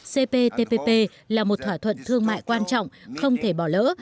cptpp là một thỏa thuận thương mại quan trọng không thể bỏ lỡ